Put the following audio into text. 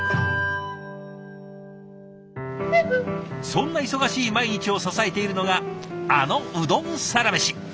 そんな忙しい毎日を支えているのがあのうどんサラメシ。